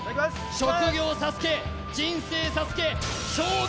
職業ＳＡＳＵＫＥ人生ＳＡＳＵＫＥ生涯